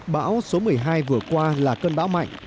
bão số một mươi hai vừa qua là cơn bão mạnh